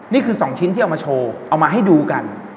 นี่คือ๒ชิ้นที่เอามาโชว์เอามาให้ดูกัน